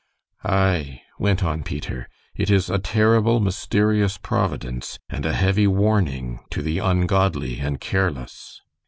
"Aye," went on Peter, "it is a terrible, mysterious Providence, and a heavy warning to the ungodly and careless."